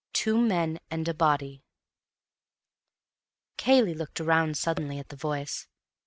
Two Men and a Body Cayley looked round suddenly at the voice.